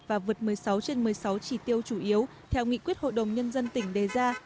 và vượt một mươi sáu trên một mươi sáu chỉ tiêu chủ yếu theo nghị quyết hội đồng nhân dân tỉnh đề ra